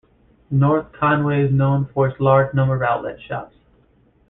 North Conway is known for its large number of outlet shops.